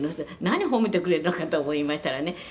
「何褒めてくれるのかと思いましたらね